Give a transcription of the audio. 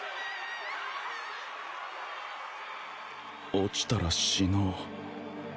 落ちたら死のう